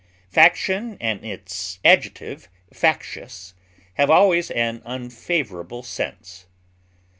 Faction and its adjective, factious, have always an unfavorable sense.